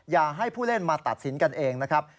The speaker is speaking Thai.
อย่าให้ผู้เล่นมาตัดสินกันเองนะครับ